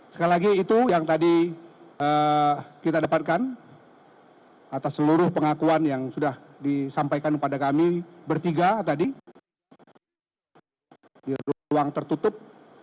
sekali lagi itu yang tadi kita dapatkan atas seluruh pengakuan yang sudah disampaikan kepada kami bertiga tadi di ruang tertutup